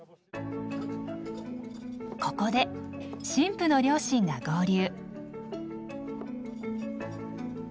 ここで新婦の両親が合流。